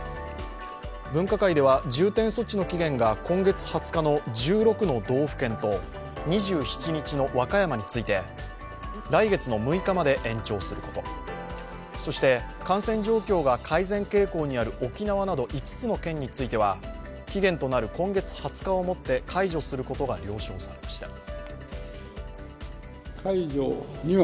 分科会では、重点措置の期限が今月２０日の１６の道府県と２７日の和歌山について、来月の６日まで延長すること、そして感染状況が改善傾向にある沖縄など５つの県については期限となる今月２０日をもって解除することが了承されました。